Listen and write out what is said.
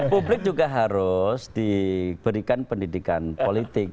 publik juga harus diberikan pendidikan politik